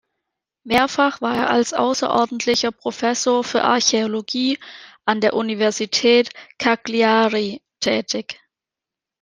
Mehrfach war er als außerordentlicher Professor für Archäologie an der Universität Cagliari tätig.